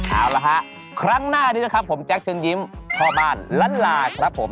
เอาละฮะครั้งหน้านี้นะครับผมแจ๊คเชิญยิ้มพ่อบ้านล้านลาครับผม